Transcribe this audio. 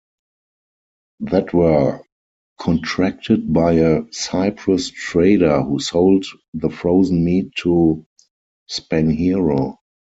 That were contracted by a Cyprus trader who sold the frozen meat to Spanghero.